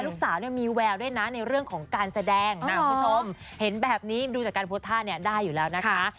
ลูกสาวเนี่ยมีแววด้วยนะในเรื่องของการแสดงคุณผู้ชมเห็นแบบนี้ดูจากการโพสต์ท่าเนี่ยได้อยู่แล้วนะคะ